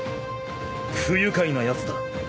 不愉快なやつだ。